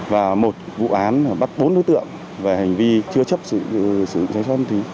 và một vụ án bắt bốn đối tượng về hành vi chưa chấp sự sử dụng trái phép ma túy